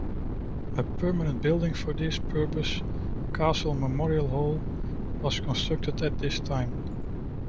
A permanent building for this purpose, Castle Memorial Hall, was constructed at this time.